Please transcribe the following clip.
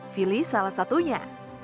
fili salah satunya